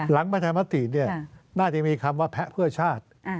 ประชามติน่าจะมีคำว่าแพะเพื่อชาติ